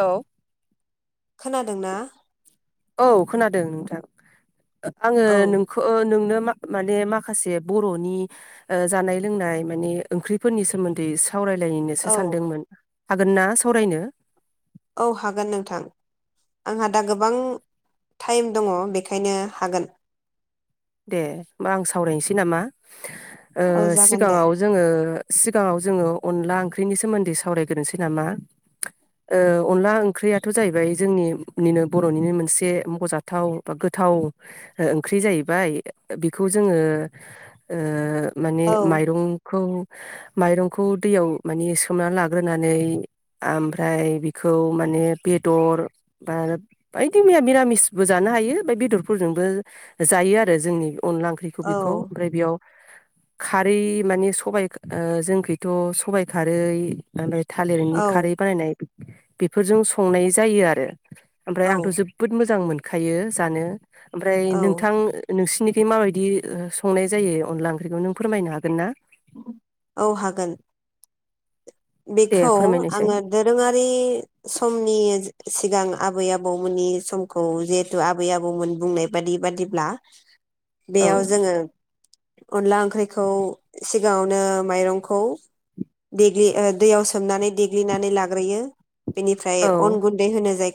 औे खोनादोंना औ खोनादों नोंथां [inaudible] आङो औ नोंखौ नोंनो माने माखासे बरनि जानाय लोंनाय ओंख्रिफोरनि सोमोन्दै सावरायलायनोसो औ सानदोंमोन हागोन ना सावरायनो औ हागोन नोंथां आंहा दा गोबां टाइम दङ बेखायनो हागोन दे होमबा आं सावरायनोसै नामा ओ औ जागोन दे सिगाङाव जोङो सिगाङाव जोङो अनला ओंख्रिनि सोमोन्दै सावरायग्रोनोसै नामा अनला ओंख्रियाथ जाहैबाय जोंनिनो बरनिनो मोनसे मखजाथाव बा गोथाव ओंख्रि जाहैबाय बाय बेखौ जोङो ओ माने औ माइरंखौ माइरंखौ दैयाव मान सोमनानै लाग्रोनानै ओमफ्राय बेखौ माने बेदर बा बायदि मैया निरामिसबो जानो हायो बे बेदरफोरजोंबो जानो आरो जोंनि अनला ओंख्रिखौ औ बेखौ ओमफ्राय बेयाव खारै माने सबाय जोंखैथ सबाय खारै ओमफ्राय थालिरनि औ खारै बानायनाय बेफोरजों संनाय जायो आरो ओमफ्राय औ आंथ जोबोद मोजां मोन खायो जानो ओमफ्राय औ नोंथां नोंसोरनिखै माबायदि संनाय जायो अनला ओंख्रिखौ नों फोरमायनो हागोन ना औ हागोन दे बेखौ फोरमायनायसाय आङो दोरोङारि समनि सिगां आबै आबौमोननि समखौ जिहेथु आबै आबौमोन बुंनाय बादि बादिब्ला औ बेयाव जोङो अनला ओंख्रिखौ सि सिगाङावनो माइरंखौ दै दैयाव सोमनानै देग्लिनानै लाग्रोयो बेनिफ्राय औ अन गुन्दै होनो जाय बेनिफ्राय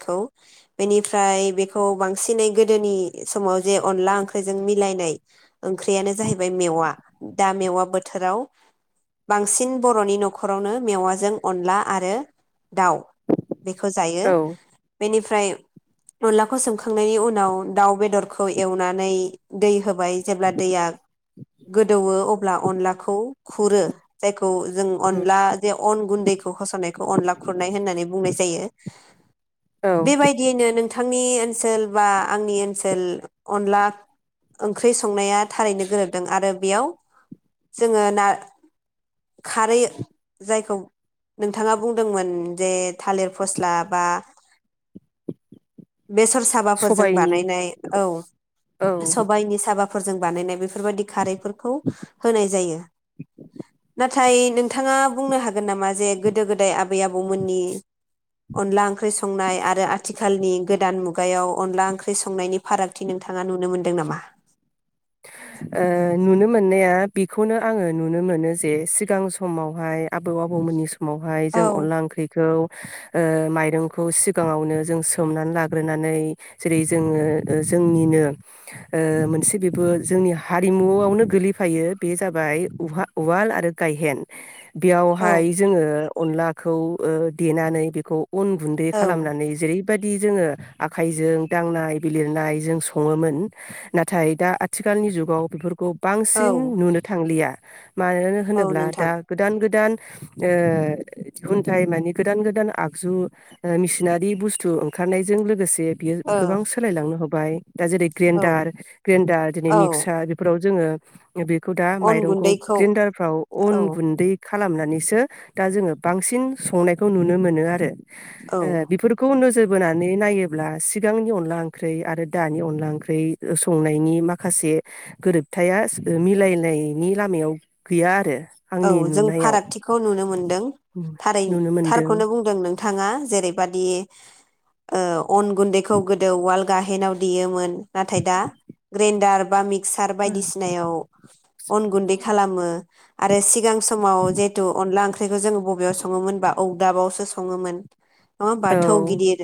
बेखौ बांसिनै गोदोनि समाव जे बिनिफ्राय बेखौ बांसिनै गोदोनि समाव जे बेनिफ्राय बेखौ बांसिनै गोदोनि समाव जे अनला ओंख्रिजों मिलायनाय ओंख्रियानो जाहैबाय मेवा दा मेवा बोथोराव बांसिन बर'नि न'खर न'खरावनो मेवाजों अनला आरो दाउ बेखौ जायो औ बेनिफ्राय ओमफ्राय अनलाखौ सोमखांनायनि उनाव अनलाखौ संखांनायनि उनाव दाउ बेदरखौ एवनानै दै होबाय जेब्ला दैया गोदौवो अब्ला अनलाखौ खुरो जायखौ जों उम अनला जे अन गुन्दैखौ होसावनायखौ अनला खुरनाय होननानै बुंनाय जायो। औ बेबायदियैनो नोंथां नोंथांनि ओनसोल बा आंनि ओनसोल अनला ओंख्रि संनाया थारैनो गोरोबदों आरो बेयाव जोङो ना खारै जायखौ नोंथाङा बुंदोंमोन जे थालिर फस्ला बा बेसर साबाफोरजों सबायनि बानायनाय औ औ सबाइनि साबा फोरजों बानायनाय बे बेफोरबायदि खारैफोरखौ होनाय जायो ना थाय नों थाङा बुंनो हागोन गोन नामा जे गोदाय आब आबै आबौमोननि अनला ओंख्रि संनाय आबै आबौमोननि अनला ओंक्रि संनाय आरो आथिखालनि गोदान मुगायाव अनला ओंख्रि संनायनि फारागथि नोंथाङा नुनो मोनदों नामा ओ नुनो मोननाया बेखौनो आङो नुनो मोनो जे सिगां समावहाय आबौ आबौमोननि सम समावहाय जों औ अनला ओंख्रिखौ ओ माइरंखौ सिगाङावनो जों सोमनानै लाग्रोनानै जेरै जोङो ओ जोंनिनो ओ मोनसे बि बो जोंनि हारिमुआवनो गोलैफायो बे जाबाय उहा उवाल आरो गायहेन बेयावहाय औ जोङो अनलाखौ ओ देनानै बेखौ अन गुन्दै औ खालामनानै जेरै बायदि जों आखाइजों दांनाय बिलिरनाय जों सङोमोन नाथाय दा आ आथिखालनि जुगाव बेफोरखौ बांसिन औ नुनो थांलिया मानो औ होनोब्ला नोंथां दा गोदान गोदान ए खुन्थाइ माने गोदान गोदान आगजु मिसिनारि बुस्थु ओंखारनायजों लोगोसे जे बियो ओ गोबां सोलायलांनो हग बाय दा जेरै ग्रेन्डार औ ग्रेन्डार औ मिकसार बेफोराव जोङो बेखौ दा अन माइरंखौ गुन्दैखौ ग्रेन्डारफ्राव अन औ गुन्दै खालामनानैसो दा जोङो बांसिन संनायखौ नुनो मोनो आरो औ ओ बेफोरखौ नोजोर बोनानै नायोब्ला सिगांनि अनला ओंख्रि आरो दानि अनला ओंख्रि संनायनि माखासे खासे गोरोबथाया मिलायनायनि लामायाव गैया आरो आंनि औ जों नुनायाव फारागथिखौ नुनो मोनदों थारै नुनो मोनदों थारखौनो बुंदों नों थाङा जेरैबादि ओ अन गुन्दैखौ गोदो उवाल गाहेनाव देयोमोन। नाथाय दा ग्रेन्डार बा मिक सार बायदिसिनायाव अन गुन्दै खालामो। आरो सिगां समाव जेतु अनला ओंख्रि बेखौ जोङो बबेयाव सङोमोन बा अगदाबावसो सङोमोन। नङा होमबा? औ थौ गिदिर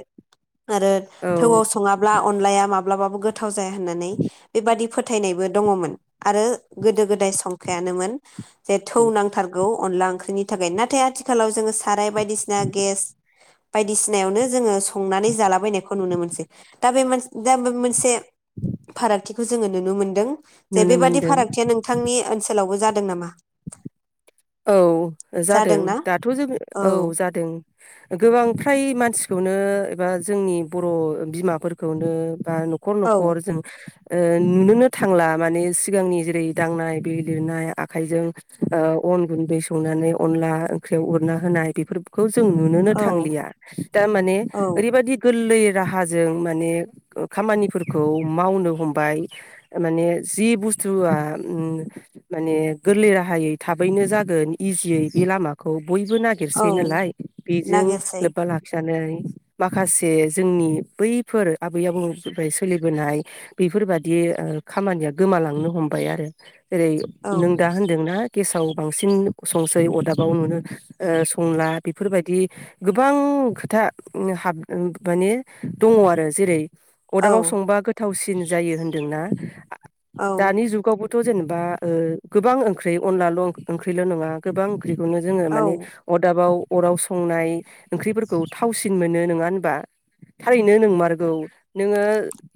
आरो औ थौआव सङाब्ला अनलाया माब ब्लाबाबो गोथाव जाया होननानै बेबादि फोथायनायबो दङमोन आरो गोदो गोदाय संखायानोमोन। जे थौ नांथारगौ अनला ओंख्रिनि थाखाय नाथाय आथिखालाव जोङो साराय बायदिसिना गेस बायदिसिनायावनो जोङो संनानै जालाबायनायखौ नुनो मोनसै दा बे दा बे मोनसे फारागथिखौ जोङो नुनो मोनदों। जे नुनो बेबादि मोनदों फारागथिया नोंथांनि ओनसोलावबो जाद दों नामा? औ जादों जादोंना दाथ' जों, औ जादों। गोबां फ्राय मानसिखौनो एबा जोंनि बर' बिमाफोरखौनो बा न'खर न'खर औ जों ओ नुनोनो थांला माने सिगांनि जेरै दांनाय बिलिरनाय आखाइजों ओ अन गुन्दै सौनानै अनला ओंख्रियाव उरना होनाय बेफोरखौ जों नुनोनो औ थांलिया दा माने औ ओरैबादि गोरलैयै राहाजों माने खामानिफोरखौ मावनो हमबाय माने जि बुस्थुआ माने गोरलै राहायै थाबैनो जागोन इजियै बे लामाखौ बयबो नागिरसै औ नालाय बेजों नागिरसै लोब्बा लाखि नानै माखासे जोंनि बैफोर आबै आबौनि सोलिबोनाय बेफोरबादि खामानिया ओ गोमालांनो हमबाय आरो। जेरै औ नों दा होन्दोंना गेसाव बांसिन संसै अदाबाव नुनो ओ संला बेफोरबायदि गोबां खोथा हाब माने दङ आरो जेरै औ अदाबाव संबा गोथावसि दिन जायो होनदोंना औ दानि जुगावबोथ जेन बा ओ गोबां ओंख्रि अनलाल ओंख्रिल नङा गोबां फख्रिखौनो जोङो माने औ अरदाबाव अराव संनाय ओंख्रिफोरखौ थावसिन मोनो नङा होनबा थारैनो नोंमारगौ नोङो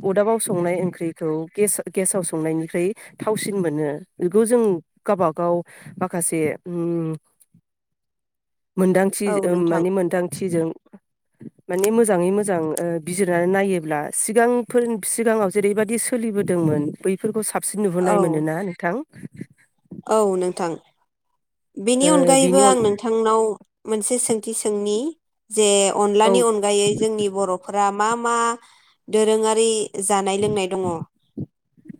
अरदाबाव संनाय ओंख्रिखौ गेसा गेसाव संनायनिख्रुइ थावसिन मोनो बेखौ जों गावबागाव माखासे ओम मोनदांथि औ उम नोंथां माने मोनदांथिजों माने मोजाङै मोजां ओ बिजिरनानै नायोब्ला सिगांफोर सिगाङाव जेरैबायदि सोलिबोदोंमोन बैफोरखौ साब- सिन औ नुबोनाय मोनो ना नोंथां? [inaudible] औ नोंथां ओ बेनि अनगायैबो बिनि अन आं नोंथांनाव मोनसे सोंथि सोंनि जे औ ओ अनलानि अनगायै जोंनि बर'फोरा मा मा दोरोङारि जानाय लोंनाय दङ?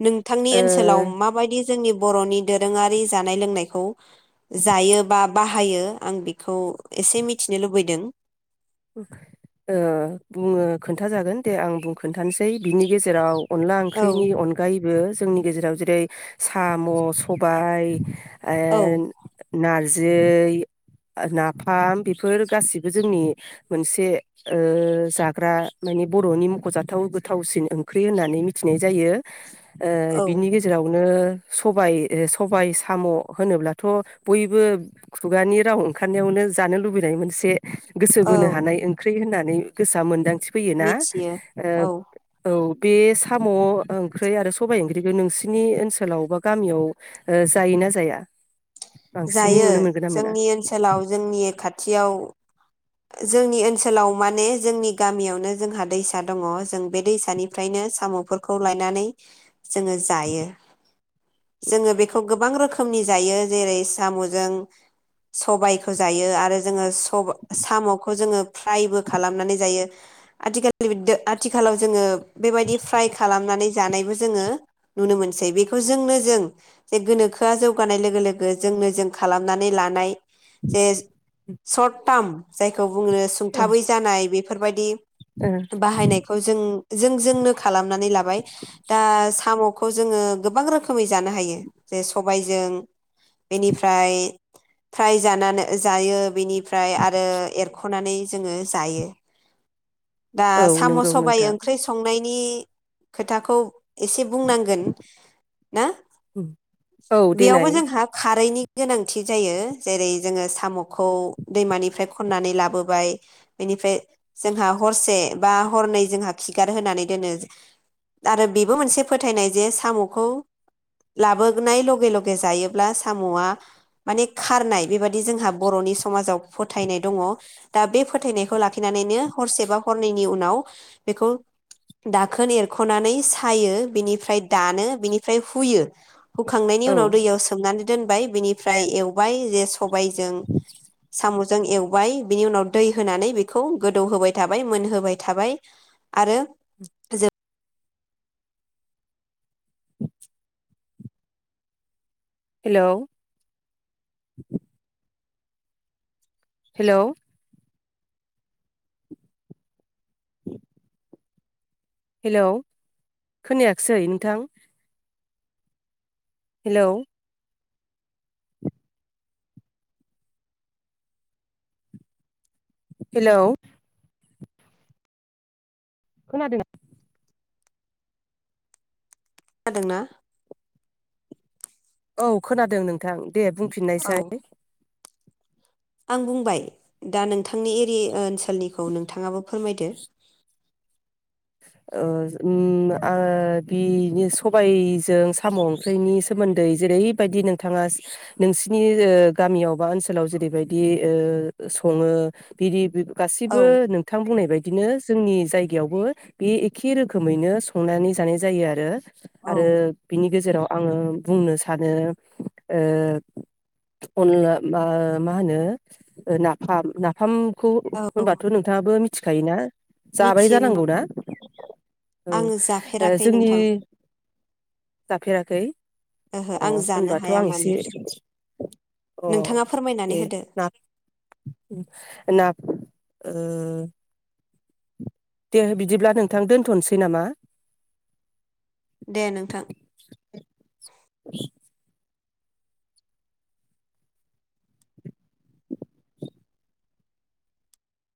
नोंथांनि ओनसोलाव माबायदि जोंनि बर'नि दोरोङारि जानाय लोंनायखौ जायो बा बाहायो आं बेखौ एसे मिथिनो लुबैदों ओ बुङो खोन्था जागोन दे आं बुं खोन्थानोसै बिनि गेजेराव अनला औ ओंख्रिनि अनगायै जोंनि गेजेराव जेरै- साम' सबाय ओ औ नार जि नाफाम बेफोर गासिबो जोंनि मोनसे ओ जाग्रा माने बर'नि मख'जाथाव गोथावसिन ओंख्रि होननानै मिथिनाय जायो। ओ औ बिनि गेजेरावनो सबाय सबाय साम' होनोब्लाथ' बयबो खुगानि राव ओंखारनायावनो जानो लुबैनाय मोनसे गोसो बोनो औ हानाय ओंख्रि होनना- नै गोसोआ मोनदां मिथि फैयोना मिथियो ओ औ औ बे साम' ओंख्रि आरो सबाय ओंख्रिखौ नोंसिनि ओनसोलाव बा गामियाव ओ जायो ना जाया? बांसिनै जायो नुनो मोनगोन ना मोना? जोंनि ओनसोलाव जोंनि खाथियाव जोंनि ओनसोलाव माने जोंनि गामियावनो जोंहा दैसा दङ जों बे दैसानिफ्रायनो साम'फोरखौ लायनानै जोङो जायो जोङो बेखौ गोबां रोखोमनि जायो जेरै- साम'जों सबायखौ जायो आरो जोङो स- साम'खौ जोङो फ्रायबो खालामनानै जायो। आथिखालनि बिद आथिखालाव जोङो बेबायदि फ्राय खालामनानै जानायबो जोङो नुनो मोनसै। बेखौ जोंनो जों जे गोनोखोआ जौगानाय लोगो लोगो जोंनो जों खालामनानै लानाय जे सर टाम जायखौ बुङो ओ सुंथाबै जानाय बे फोरबायदि बाहायनायखौ जों जों जोंनो खालामनानै लाबाय। दा साम' खौ जोङो गोबां रो खोमै जानो हायो जे स बायजों बेनिफ्राय फ्राय जानानो जायो। बेनि फ्राय आ रो एरख' नानै जोङो जायो। दा ओ औ साम' नंगौ सबाइ नोंथां ओंख्रि संनाय नि खोथाखौ एसे बुंनांगोन ना? उम औ बेयावबो देनाय जोंहा खारैनि गोनांथि जायो। जेरै जोङो साम'खौ दैमानि फ्राय खननानै लाबोबाय। बेनिफ्राय जोंहा हरसे बा हरनै जोंहा खिगार होनानै दोनो आरो बेबो मोनसे फोथायनाय जे साम'खौ लाबोनाय लगे लगे जायोब्ला साम'आ माने खारनाय बेबादि जोंहा बर'नि समाजाव फोथायनाय दङ'। दा बे फोथायनायखौ लाखिनानैनो हरसेबा हरनैनि उनाव बेखौ दाखोन एरख'नानै सायो बिनिफ्राय दानो बिनिफ्राय हुयो। हुखांनायनि औ उनाव दैयाव सोमना दोनबाय बिनिफ्राय एवबाय। जे सबाइजों साम'जों एवबाय बिनि उनाव दै होनानै बेखौ गोदौहोबाय थाबाय मोनहोबाय थाबाय आरो जे हेलौ हेलौ [inaudible] हेलौ खोनायाखिसै नोंथां? हेलौ हेलौ खोनादों ना? खोनादों ना? औ खोनादों नोंथां। दे औ बुंफिननायसाय। आं बुंबाय। दा नोंथांनि एरि ओनस लनिखौ नोंथाङाबो फोरमायदो। ओ ओम आ बि नि सबायजों साम' ओंख्रिनि सोमोन्दै जेरैबायदि नोंथाङा नोंसिनि ओ गामियाव बा ओनसोलाव जेरैबायदि ओ सङो बिदि औ गासिबो नोंथां बुंनाय बायदिनो जोंनि जायगायावबो बे एखे रोखोमैनो संनानै जानाय जायो आरो आरो औ बिनि गेजेराव आङो बुंनो सानो ओ अनला मा मा होनो नाफाम-नाफाम खौ औ होनबाथ' नोंथाङाबो मि मिथिखायोना जाबाय मिथियो जानांगौ नोंथां ना औ आङो जाफेराखै जोंनि नोंथां जाफेराखै ओहो अ आं जानो होनबाथ' हाया आं एसे माने अ नोंथाङा फोरमायनानै दे होदो ना ना ओ दे बिदिब्ला नोंथां दोनथ'नोसै नामा दे नोंथां